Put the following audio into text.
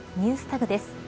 ＮｅｗｓＴａｇです。